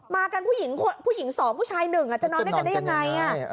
มากันผู้หญิง๒ผู้ชาย๑จะนอนได้ยังไง